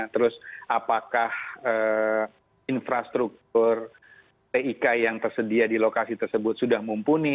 terus apakah infrastruktur tik yang tersedia di lokasi tersebut sudah mumpuni